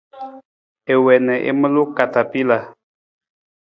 I wii na i maluu katapila.